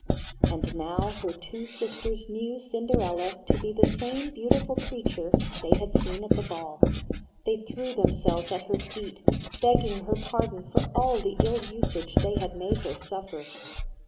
And now her two sisters knew Cinderella to be the same beautiful creature they had seen at the ball. They threw themselves at her feet, begging her pardon for all the ill usage they had made her suffer.